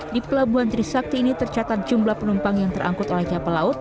di pelabuhan trisakti ini tercatat jumlah penumpang yang terangkut oleh kapal laut